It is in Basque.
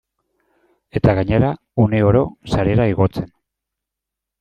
Eta gainera, uneoro sarera igotzen.